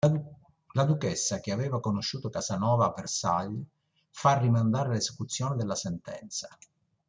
La duchessa, che aveva conosciuto Casanova a Versailles, fa rimandare l'esecuzione della sentenza.